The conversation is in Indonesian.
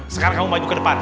sekarang kamu maju ke depan